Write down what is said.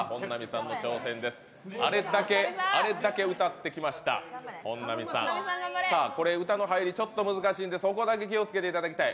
あれだけ歌ってきました、本並さんこれ歌の入り、ちょっと難しいのでそこだけ気をつけていただきたい。